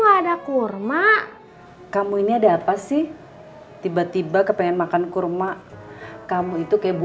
gak bisa begitu jauh